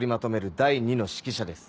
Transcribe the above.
第２の指揮者です。